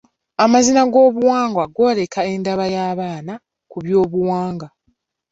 Amazina g'obuwangwa gooleka endaba y'abaana ku byobuwangwa.